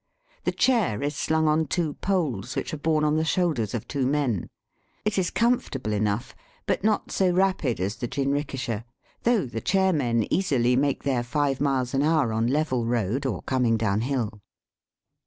The chair is slung on two poles, which are borne on the shoulders of two men. It is comfortable enough, but not so rapid as the jinrikisha, though the chair men easily make their five miles an hour on level road or coming downhill.